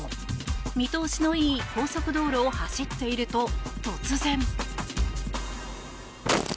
見通しのいい高速道路を走っていると突然。